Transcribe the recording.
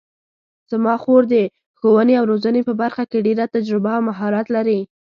زما خور د ښوونې او روزنې په برخه کې ډېره تجربه او مهارت لري